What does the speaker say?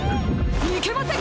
いけません！